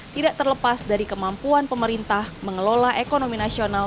tidak terlepas dari kemampuan pemerintah mengelola ekonomi nasional